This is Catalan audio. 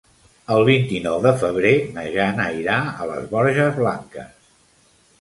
El vint-i-nou de febrer na Jana irà a les Borges Blanques.